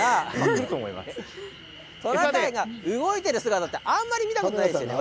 トナカイが動いてる姿ってあまり見たことないですよね。